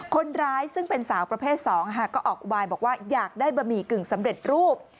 คนร้ายซึ่งเป็นสาวประเภท๒ค่ะก็ออกอุบายบอกว่าอยากได้บะหมี่กึ่งสำเร็จรูป